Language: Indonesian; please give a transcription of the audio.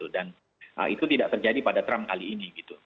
dan itu tidak terjadi pada trump kali ini